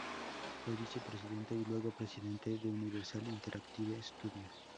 Fue vicepresidente y luego presidente de Universal Interactive Studios.